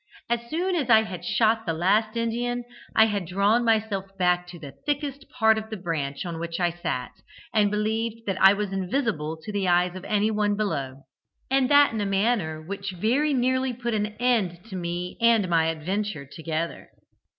As soon as I had shot the last Indian, I had drawn myself back to the thickest part of the branch on which I sat, and believed that I was invisible to the eyes of anyone below. I soon discovered my mistake, however, and that in a manner which very nearly put an end to me and my adventure together.